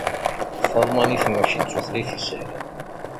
Talmanit mačči d tutlayt isehlen.